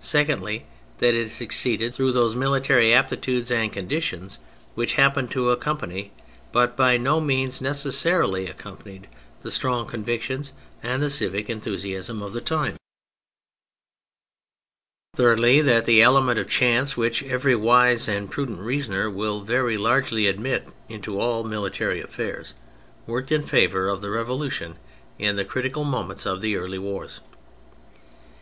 Secondly, that it succeeded through those military aptitudes and conditions which hap pened to accompany, but by no means neces sarily accompanied, the strong convictions and the civic enthusiasm of the time. THE MILITARY ASPECT 145 Thirdly, that the element of chance, which every wise and prudent reasoner will very largely admit into all military affairs, worked in favom^ of the Revolution in the critical moments of the early wars.